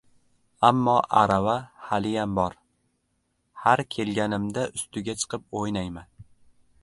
Ammo arava haliyam bor. Har kelganimda ustiga chiqib o‘ynayman.